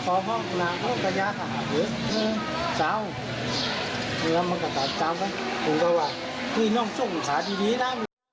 คืนนั้นส่งขนาดดีนะ